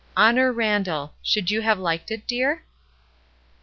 ' Honor Randall' Should you have liked it, dear?"